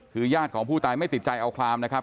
คือญาติของผู้ตายไม่ติดใจเอาความนะครับ